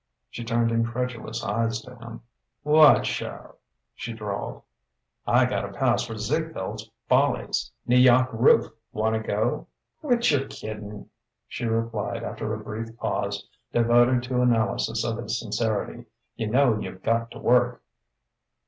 She turned incredulous eyes to him. "What show?" she drawled. "I gotta pass for Ziegfield's Follies N'Yawk Roof. Wanta go?" "Quit your kidding," she replied after a brief pause devoted to analysis of his sincerity. "Y' know you've got to work."